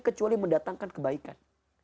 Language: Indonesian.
kecuali mendatangkan kebaikan